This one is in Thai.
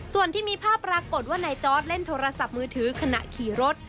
ส่วนที่มีภาพปรากฏว่านายจอร์ดเล่นโทรศัพท์มือถือขณะขี่รถ